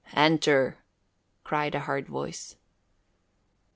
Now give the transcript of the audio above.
"Enter," cried a hard voice.